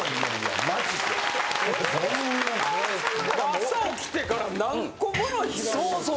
朝起きてから何個もの拾う。